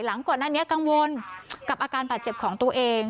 หลังกว่านั้นกังวลกับอาการปัจเจ็บของตัวเอง